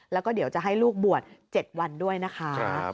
แล้วก็เดี๋ยวจะให้ลูกบวช๗วันด้วยนะคะ